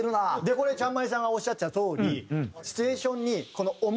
これちゃんＭＡＲＩさんがおっしゃってたとおり。